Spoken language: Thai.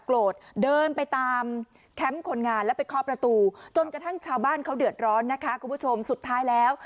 เดินไปตามแคมป์คนงานแล้วไปเคาะประตูจนกระทั่งชาวบ้านเขาเดือดร้อนนะคะคุณผู้ชมสุดท้ายแล้ว